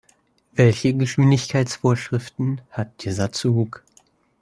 Welche Geschwindigkeitsvorschriften hat dieser Zug?